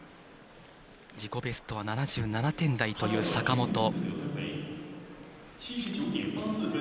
自己ベストは７７点台という坂本。